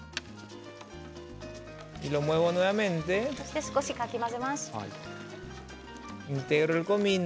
そして、少しかき混ぜます。